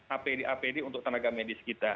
apd apd untuk tenaga medis kita